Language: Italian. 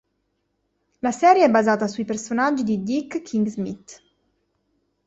La serie è basata sui personaggi di Dick King-Smith.